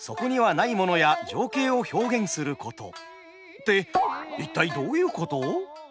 って一体どういうこと？